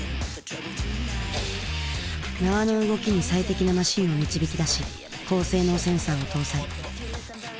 縄の動きに最適なマシンを導き出し高性能センサーを搭載。